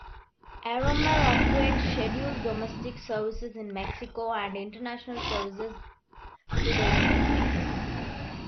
Aeromar operates scheduled domestic services in Mexico and international services to the United States.